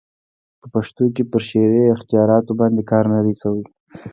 په پښتو کښي پر شعري اختیاراتو باندي کار نه دئ سوى.